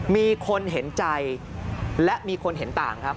มีคนเห็นใจและมีคนเห็นต่างครับ